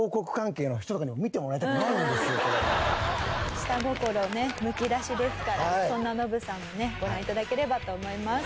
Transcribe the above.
下心ねむき出しですからそんなノブさんもねご覧頂ければと思います。